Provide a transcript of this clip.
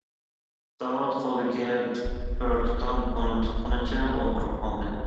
داۋۇت قولىدىكى بىر تۇتام پۇلنى تۇتقىنىچە ئولتۇرۇپ قالدى.